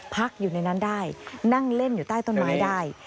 พักอยู่ในนั้นได้